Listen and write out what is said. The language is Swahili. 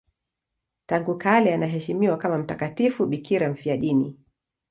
Tangu kale anaheshimiwa kama mtakatifu bikira mfiadini.